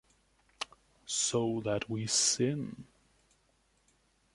So that we sin.